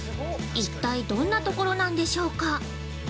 一体、どんな所なんでしょうか。